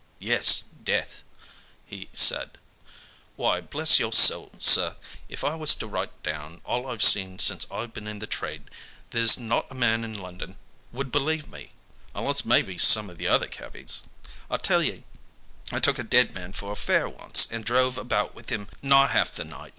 "Yes, death," he said. "Why, bless your soul, sir, if I was to write down all I've seen since I've been in the trade, there's not a man in London would believe me, unless maybe some o' the other cabbies. I tell ye I took a dead man for a fare once, and drove about with him nigh half the night.